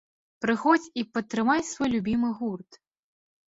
Прыходзь і падтрымай свой любімы гурт!